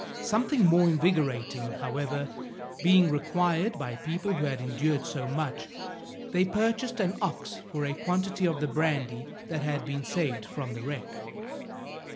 Something more invigorating, however, being required by people who had endured so much, they purchased an ox for a quantity of the brandy that had been saved from the wreck.